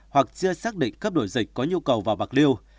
hoặc chưa xác định cấp đổi dịch có nhu cầu vào bạc liêu